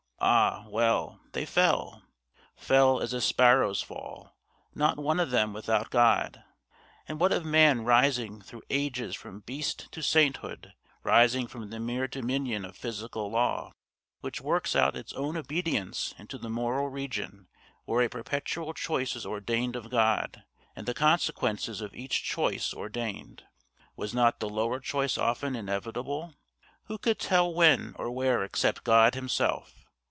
Ah, well! they fell fell as the sparrows fall, not one of them without God. And what of man rising through ages from beast to sainthood, rising from the mere dominion of physical law which works out its own obedience into the moral region, where a perpetual choice is ordained of God, and the consequences of each choice ordained? Was not the lower choice often inevitable? Who could tell when or where except God Himself?